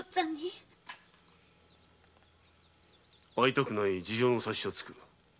会いたくない事情の察しはつく。